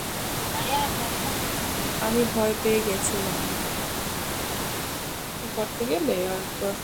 আমি ভয় পেয়ে গেছিলাম!